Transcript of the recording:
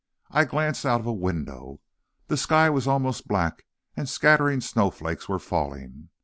I glanced out of a window. The sky was almost black and scattering snowflakes were falling.